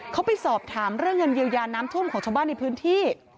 เขาไปสอบถามเรื่องเงินเยียวยาน้ำท่วมของชาวบ้านในพื้นที่